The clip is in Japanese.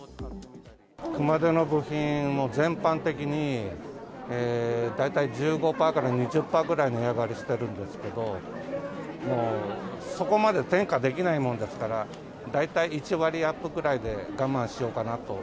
熊手の部品は全般的に、大体１５パーから２０パーぐらい値上がりしてるんですけど、もうそこまで転嫁できないもんですから、大体１割アップぐらいで我慢しようかなと。